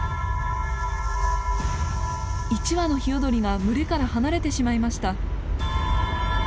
１羽のヒヨドリが群れから離れてしまいました。